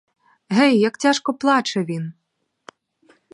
Гей, як тяжко плаче він!